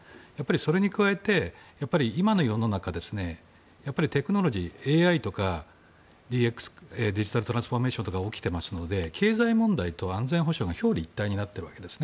それに加えて、今の世の中テクノロジーＡＩとかＤＸ・デジタルトランスフォーメーションとか起きていますので経済問題と安全保障が表裏一体になっているわけです。